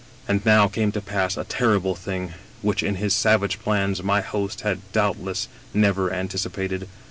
" And now came to pass a terrible thing which, in his savage plans, my host had doubtless never anticipated.